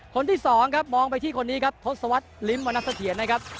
คนที่สองมองไปที่คนนี้ครับทศวรรษริมมณภเทียนนะครับ